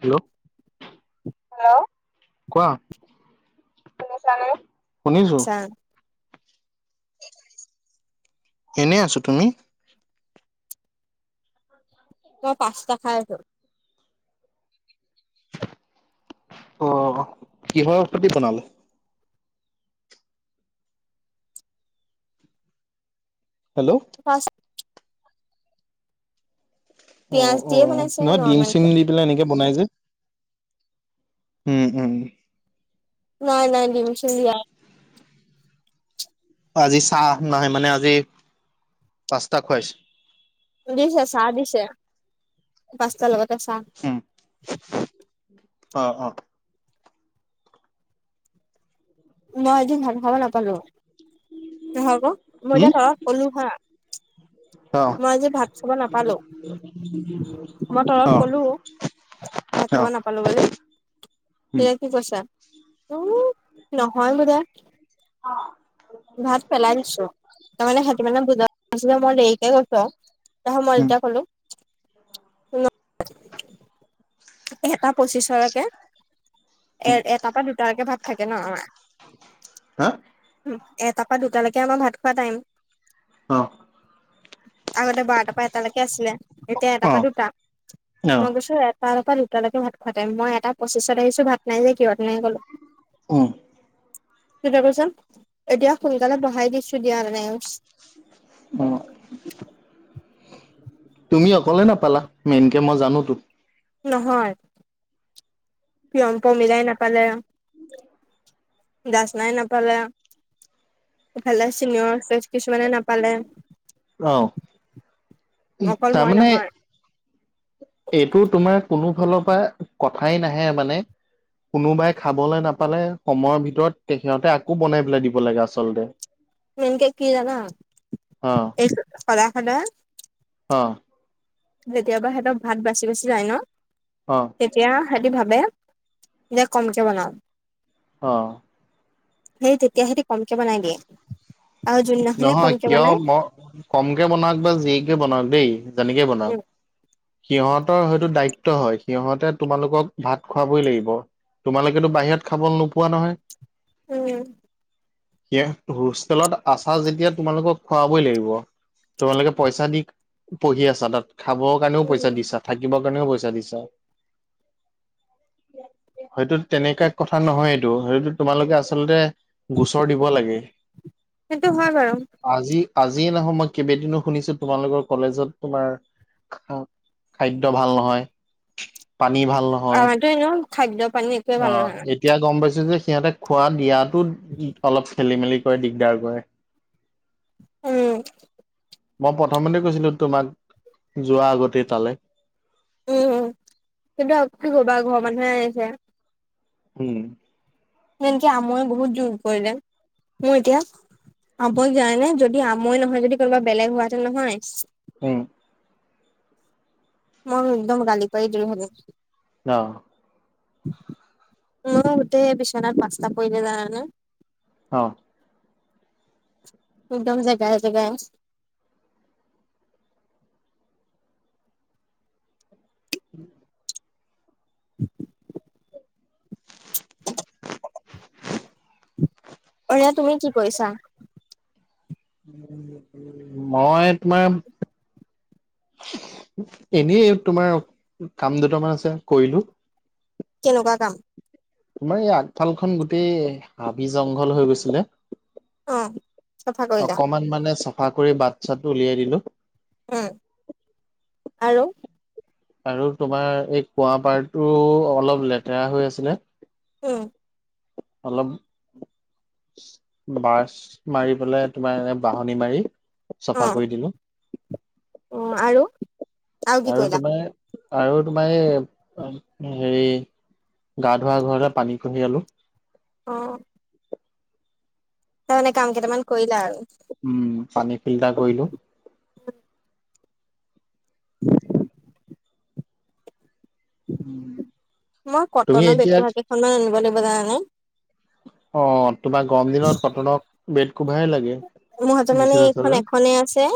Hello. Hello, কোৱা। শুনিছানে? শুনিছো। আচ্ছা এনেই আছো, তুমি? মই পাচটা খাই আছো। অ, কিহৰ স্তুতি বনালে? হেল্ল' আ [unintelligible] অ পিয়াজ অ, দিয়ে বনাইছে নহয় ডিম নৰ্মেল কে চিমলি- এনেকে বনাই যে, উম উম। নাই নাই ডিম চিন দিয়া। আজি চাহ নাই মানে আজি পাস্তা খুৱাইছিল। দিছে চাহ দিছে, পাঁচটাৰ লগতে চাহ- উম, অঁ অঁ মই এদিন ভাল খাব নাপালো, নহক মই এতিয়া উম তৰত ক'লো হা। অ মই আজি ভাত চাব নাপালো মই তলত অ অ কলো। ভাত খা নাপা- পালো বুলি, উম তেতিয়া কি কৈছা উ নহয় বোলে। অঁ ভাত পেলাই দিছো, তাৰ মানে সহতি মানে বুজ মই দেৰিকে গৈছো। তাপাছত মই উম তেতিয়া কলো। এটা পঁচিশলৈকে এ উম এটাৰ পৰা দুটাকে ভাগ থাকে ন। হা এটাৰ পৰা দুটালৈকে আমাৰ ভাত খোৱা টাইম। অঁ আগতে বাৰটাৰ পৰা এটালৈকে আছিলে, এতিয়া এটাৰ অ পৰা দুটা অ মই গৈছো তাৰ পৰা দুটালৈকে ভাত খোৱা টাইম মই এটা পঁচিছত আহিছো ভাত নাই যে কিহঁত নাই গলো। উম ততিয়া কৈছা এতিয়া সোনকালে বহাই দিছো দিয়া নাই। অঁ তুমি অকলে নাপালা মেইনকে মই জানো তো। নহয়, পিয়ম্প মিলাই নাপালে। জাসছ নাই নাপালে। ইফালে চিনিয় কিছুমানে নাপালে। অঁ উ অকল মই তাৰমানে- নহয় এইটো তোমাৰ কোনো ফালৰ পৰা কথাই নাহে মানে। কোনোবাই খাবলৈ নাপালে সময়ৰ ভিতৰত তে সিহঁতে আকৌ বনাই পেলাই দিব লাগে আচলতে। হয় মেইনকে কি জানা এই সদায় সদায়। অঁ যেতিয়াবা সিহঁতক ভাত বাচি বাচি যায় ন। অঁ তেতিয়া সেতি ভাবে যে কমকে বনাও। অঁ সেই তেতিয়া সেঁতে কমকে বনাই দিয়ে, আৰু যোনদিনাখনে নহয় কমকে কিয় বনাই- মই কমকে বনাওক বা যিকে বনাওক দেই যেনেকে বনাওক। সিহঁতৰ হয়তো দায়িত্ব হয়, সিহঁতে তোমালোকক ভাত খোৱাবই লাগিব। তোমালোকেতো বাহিৰত খাব নোপোৱা নহয়। উম স হোষ্টেলত আছা যেতিয়া তোমালোকক- খুৱাবই লাগিব, তোমালোকে পইচা দি পঢ়ি আছা তাত। খাবৰ কাৰণেও পইচা উম দিছা থাকিবৰ কাৰণেও পইচা দিছা। হয়টো, তেনেকা কথা নহয় এইটো, সেইটো তোমালোকে আচলতে গোচৰ দিব লাগে। সেইটো হয় বাৰু। আজি, আজিয়ে নহয় মই কেইবাদিনো শুনিছো তোমালোকৰ কলেজত তোমাৰ খাদ্য ভাল নহয়, পানী ভাল নহয়। আমাৰতো খাদ্য পানী একোৱে ভাল অ'। নহয় এতিয়া গম পাইছো যে সিহঁতে খোৱা দিয়াতো অলপ খেলি- মেলি কৰে, দিগদাৰ কৰে। [unintelligible] উ'ম। মই প্ৰথমতে কৈছিলো তোমাক যোৱা আগতে তালৈ। উ'ম, কিন্তু কি কৰিবা ঘৰৰ মানুহে আহিছে? উ'ম। যেনেকে আমৈয়ে বহুত যোৰ কৰিলে মোৰ এতিয়া আমৈ যায় নে, যদি আমৈ নহৈ যদি কোনোবা বেলেগ হোৱাহেতেন নহয়। উ'ম। মই একদম গালি পাৰি দিলোঁহেঁতেন। অ'। মই গোটেই বিছনাত পাঁচটা পৰিলে জানা নে? অ'। একদম জেগাই, জেগাই। [unintelligible] [unintelligible] [unintelligible] এতিয়া তুমি কি কৰিছা? মই তোমাৰ এনে তোমাৰ কাম দুটামান আছে কৰিলো। কেনেকুৱা কাম? তোমাৰ এই আগফাল খন গোটেই হাবি, জংঘল হৈ গৈছিলে। অ চাফা কৰিলা অকমান মানে চাফা কৰি বাট -চাত উলিয়াই দিলো। উ'ম, আৰু আৰু তোমাৰ এই কুৱাপাৰতো অলপ লেতেৰা হৈ আছিলে। উ'ম। অলপ ব্ৰাছ মাৰি পেলাই, তোমাৰ এনে বাহনি মাৰি অ চফা কৰি দিলো। অ আৰু কি আৰু কৰিলা তোমাৰ আৰু তোমাৰ এই হেৰি গা ধোৱা ঘৰলে পানী কঢ়িয়ালো। অ'। তাৰ মানে কাম কেইটামান কৰিলা আৰু? উ'ম, পানী ফিল্টাৰ কৰিলো। [unintelligible] উ'ম। মই কটনৰ বেট কভাৰ কেইখনমান আনিব লাগিব জানা নে? অ, তোমাৰ গৰম দিনত কটনৰ বেড কোভাৰ লাগে। মোৰ হাতৰ মানে বিচনা এইখন চাদৰ এখনে আছে,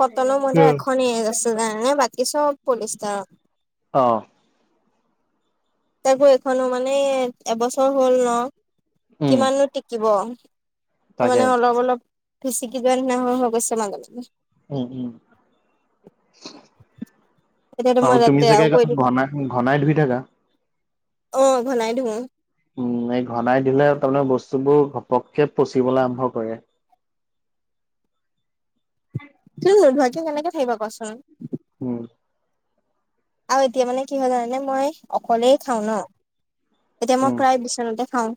কটনৰ মই তাৰ এখনে আছে জানানে? বাকী সব পলিষ্টাৰৰ। অ'। তাকৌ এইখনো মানে এবছৰ হ'ল ন, উম কিমানো টিকিব? ত তাকে মানে অলপ- অলপ ফুচিকি যোৱাৰ নিচিনা হৈ হৈ গৈছে মাজে- মাজে। উ'ম, উ'ম। এতিয়াতো মই আৰু তুমি লেতেৰাও চাগে কৰি দিলো। ঘনাই-ঘনাই ধুই থাকা? অ, ঘনাই ধুও। উম' এই ঘনাই ধুলে তাৰমানে বস্তুবোৰ ঘপককে পচিবলে আৰম্ভ কৰে। ত নোধোৱাকে কেনেকে থাকিবা কোৱাচোন? উম। আৰু এতিয়া মানে কি হয় জানা নে মই অকলেই খাওঁ ন, এতিয়া মই উম, প্ৰায় বিচনাতে খাওঁ।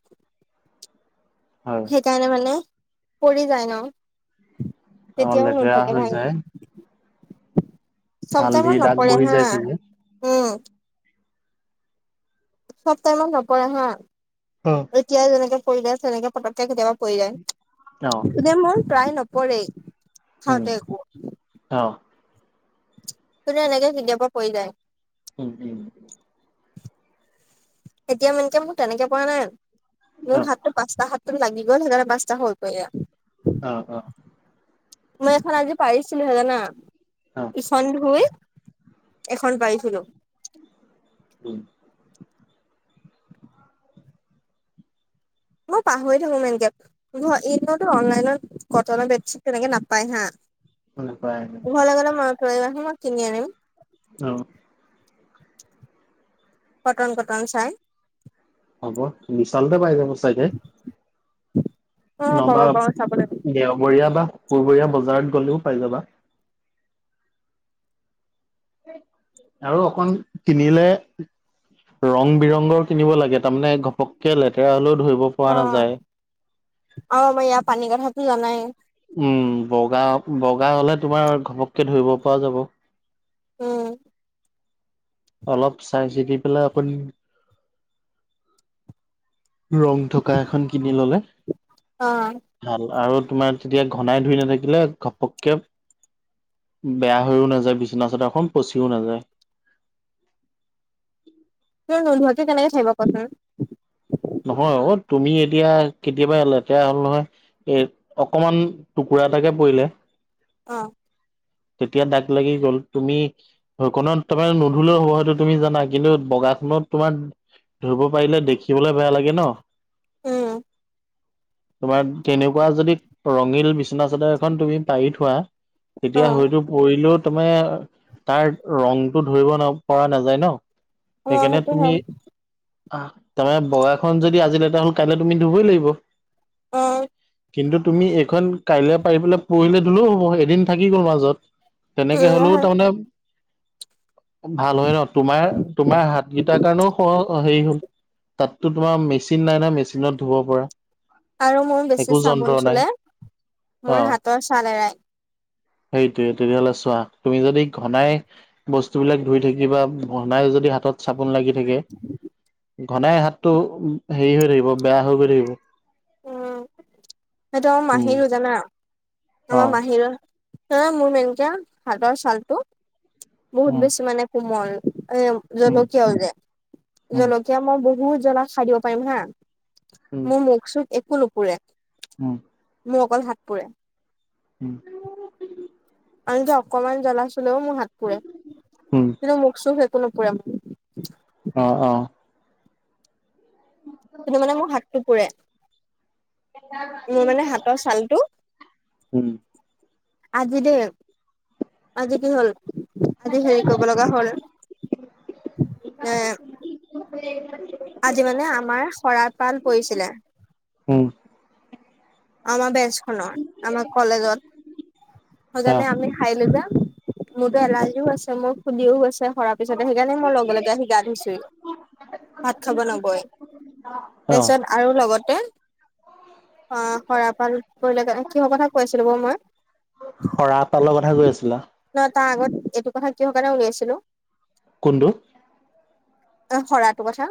হয় সেইকাৰণে মানে পৰি যায় ন, অ, তেতিয়াওঁ লেতেৰা নুধুৱাকে হৈ ভাল যায় চব টাইমত হালধিৰ দাগ নপৰে বহি হা, যায় চাগে। উম'। চব টাইমত নপৰে হা। অ'হ। এতিয়া যেনেকে পৰিলে, তেনেকে পতককে কেতিয়াবা পৰি যায়। অ। এতিয়া মই প্ৰায় নপৰে উম, খাওঁতে একো। অ। কিন্তু এনেকে কেতিয়াবা পৰি যায়। উম-উম। এতিয়া মেনকে মোৰ তেনেকে পৰা নাই, অ, মোৰ হাততো পাঁচটা হাত। তুমি লাগি গ'ল, সেইকাৰণে পাঁচটা হৈ পৰিলে। অ-অ। মই এখন আজি পাৰিছিলোহে জানা। অ' ইখন ধুই এখন পাৰিছিলো। উম! মই পাহৰি থাকো মেনকে। [inaudible] এইবোৰতো অনলাইনত কটনৰ বেডছিট তেনেকে নাপায় হা। নাপায় ঘৰলে গ'লে মনত পেলাই দিবাচোন, মই কিনি আনিম। অ। কটন-কটন চাই। হ'ব। বিশালতে পায় যাব চাগে। [inaudible] নহ'বা, পাব চাবলৈ দেওঁবৰীয়া বা শুকুৰবৰীয়া বজাৰত গ'লেও পাই যাবা। আৰু অকন কিনিলে ৰং-বিৰঙৰ কিনিব লাগে, তাৰমানে ঘপককে লেতেৰা হ'লেও ধৰিব পৰা অ, নাযায়। অ' মই ইয়াৰ পানী কথাতো জানাই। উম! বগা-বগা হ'লে তোমাৰ ঘপককে ধৰিব পৰা যাব। উম! অলপ চাই চিতি পেলাই এখন ৰং থকা এখন কিনি ল'লে অ ভাল আৰু তোমাৰ তেতিয়া ঘনাই ধুই নাথাকিলে ঘপককে বেয়া হৈয়ো নাযায় বিছনা চাদৰখন, পচিও নাযায়। তই নোধোৱাকে কেনেকে থাকিব পাৰ কচোন? নহয় অ, তুমি এতিয়া কেতিয়াবা লেতেৰা হ'ল নহয় এই অকমান টুকুৰা এটাকে পৰিলে অ! তেতিয়া দাগ লাগি গ'ল তুমি হৈ কণত তোমাৰ নুধুলেও হ'ব সেইটো তুমি জানা, কিন্তু বগাখনত তোমাৰ ধৰিব পাৰিলে দেখিবলে বেয়া লাগে ন। উম! তোমাত কেনেকুৱা যদি ৰঙীল বিচনা চাদৰ এখন তুমি পাৰি থোৱা অ এতিয়া হয়তো পৰিলেও তুমি তাৰ ৰংটো ধৰিব ন পৰা নাযায় ন। অ সেইকাণে সেইটো তুমি হয় আঁহ তাৰমা বগাখন যদি আজি লেটা হ'ল কাইলে তুমি ধুবই লাগিব। অঁ! কিন্তু তুমি এইখন কাইলে পাৰি পেলাই পহিলে ধুলেও হ'ব এদিন থাকি গ'ল মাজত। তেনেকে উম হ'লও হয় তামানে ভাল হয় ন তোমাৰ-তোমাৰ হাত গিটাৰ কাৰণও সহ অ হেৰি হ'ল। তাততো তোমাৰ মেচিন নাই ন মেচিনত ধুব পৰা। আৰু মোৰ বেছি একো চাবোন যন্ত্ৰ নাই চুলে মোৰ অ হাতৰ চাল এৰাই৷ সেইটোৱে তেতিয়ালে চোৱা তুমি যদি ঘনাই বস্তুবিলাক ধুই থাকিবা ঘনাই যদি হাতত চাবোন লাগি থাকে৷ ঘনাই হাতটো উম হেৰি হৈ থাকিব বেয়া হৈ গৈ থাকিব। উম! সেইটো আমা উম মাহীৰো জানা অ আমাৰ মাহিৰ হ মোৰ মেনকে হাতৰ ছালটো বহুত উম বেছি মানে কোমল এঁ উম জলকীয়াও যে উম জলক এতিয়া মই বহুত জ্বলা খাই দিব পাৰিম হাঁ উম মোৰ মুখ চুখ একো নুপুৰে। উম! মোৰ অকল হাত পুৰে। উম! আনকি অকমান জ্বলা চুলেও মোৰ হাত পুৰে উম কিন্তু, মোক চুখ একো নুপুৰে মো। অ-অ কিন্তু মানে মোৰ হাতটো পুৰে, মোৰ মানে হাতৰ ছালটো উম আজি দেই আজি কি হ'ল আজি হেৰি কব লগা হ'ল এঁ [unintelligible] আজি মানে আমাৰ শৰা পাল পৰিছিলে। উম আমা বেঞ্চ খনৰ আমা কলেজত অ সজেনে আমি হাই লো যে মোৰতো এলাৰ্জিও আছে মোৰ ফুলিও আছে সৰাপ পিছতে সেইকাৰণে মই লগে-লগে আহি গা ধইছোই ভাত খাব নগই। অ তাপিছত আৰু লগতে অঁহ সৰাপাল পৰিলে কে কিহ কথা কৈছিলো বাও মই। শৰা এপালৰ কথা কৈ আছিলা নহ তাৰ আগত এইটো কথা কিহ কাৰণে উলিয়াইছিলোঁ। কোনটো? অ শৰাইটো কথা।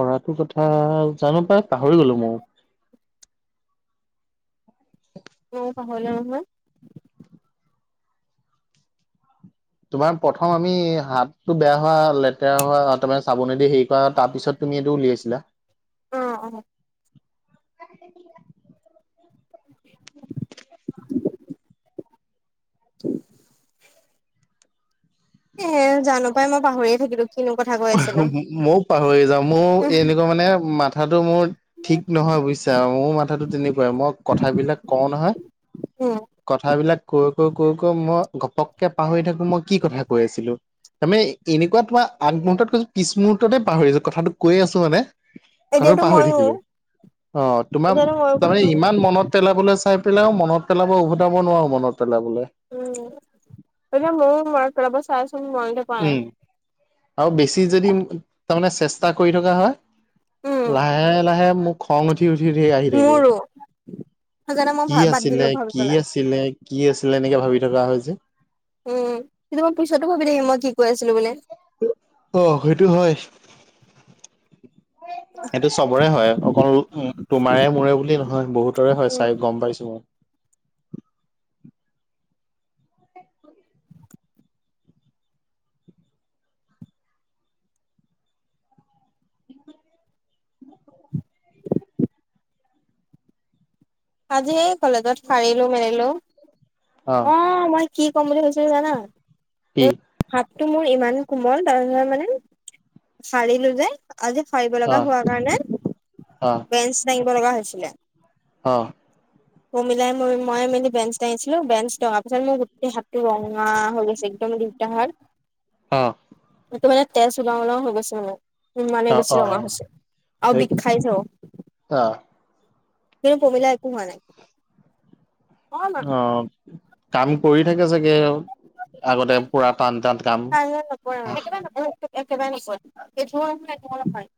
শৰাটো কথা জানো পাই পাহৰি গলো মই। মইও পাহৰিলো নহয়। তোমাৰ প্ৰথম আমি হাতটো বেয়া হোৱা লেতেৰা হোৱা তোমাৰ চাবোনেদি হেৰি কৰা তাৰ পিছত তুমি এইটো উলিয়াইছিলা। অঁ-অঁ ঠ [unintelligible] এ জানো পাই মই পাহৰিয়ে থাকিলোঁ। কিনো কথা ক মইয়ো পাহৰি যাওঁ মইও এনেকুৱা মানে মাথাটো মোৰ ঠিক নহয় বুইছা মোৰো মাথাটো তেনেকুৱাই মই কথাবিলাক কওঁ নহয়। উম! কথাবিলাক কৈ-কৈ-কৈ-কৈ মই ঘপককে পাহৰি থাকো মই কি কথা কৈ আছিলো। তামে এনেকুৱা তোমাৰ আগমুহূৰ্তত কৈছো পিছমূহৰ্ততে পাহৰিছো কথাটো কৈ আছো মানে। কথাটো এতিয়াতো পাহৰি ময়ো থাকিলো অ তোমাৰ এতিয়াতো ময়ো তাৰমানে পাহৰিলো ইমান মনত পেলাবলৈ চাই পেলাই আৰু মনত পেলাব উভটাব নোৱাৰো মনত পেলাবলৈ। উম! এ মোৰ হয় মনত পেলাব চাই আছো নোৱাৰি উম আৰু বেছি যদি তাৰমানে চেষ্টা কৰি থকা হয়। উম, লাহে লাহে মোক খং উঠি উঠি আহি থাকে, মোৰো সেইকাৰণে মই কি ভা বাদ আছিল দিলো ভাবি কি পেলাই। আছ ছিলে কি আছিলে এনেকে ভাবি থকা হয় যে। উম কিন্তু মই পিছতো ভাবি থাকি মই কি কৈ আছিলো বুলি। অ সেইটো হয়। সেইটো চবৰে হয় অকল তোমাৰে মোৰে বুলি নহয় বহুতৰে হয় উম, চাই গম পাইছো মই। আজি কলেজত ফাৰিলো মেলিলো। অ মই কি ক'ম বুলি কৈছিলো জানা। কি হাতটো মোৰ ইমান কোমল তাৰপিছত মানে সাৰিলো যে। আজি ফাৰিব অ লগা হোৱাৰ অ কাৰণে বেঞ্চ দাঙিব লগা হৈছিলে। অ অ মিলাই ম মই মেলি বেঞ্চ ডাঙিছিলো বেঞ্চ ডঙা পিছত মোৰ গোটেই হাতটো ৰঙা হৈ গৈছে। একদম দুয়োটা হাত অ সেইটো মানে তেজ উলাও উলাও হৈ গৈছে মানে ইমানে অ বেছি অ ৰঙা হৈছে আৰু সেই বিষাইছেও। অ কিন্তু পমিলা একো হোৱা নাই। অ কাম কৰি থাকে চাগে আগতে পুৰা টান টান কাম কাইলৈ নপৰে একেবাৰে নপৰে একেবাৰে নকৰে এইটো ৰুমৰ পৰা ৰুমলৈ হাৰে